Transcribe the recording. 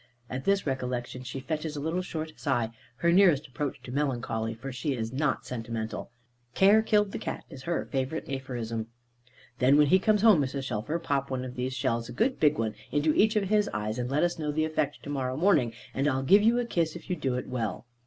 At this recollection, she fetches a little short sigh, her nearest approach to melancholy, for she is not sentimental. "Care killed the cat," is her favourite aphorism. "Then when he comes home, Mrs. Shelfer, pop one of these shells, a good big one, into each of his eyes; and let us know the effect to morrow morning, and I'll give you a kiss, if you do it well."